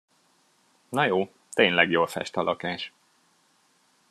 Na jó, tényleg jól fest a lakás.